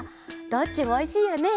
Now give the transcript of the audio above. どっちもおいしいよね。